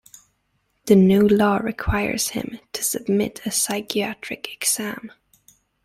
The new law requires him to submit to a psychiatric exam.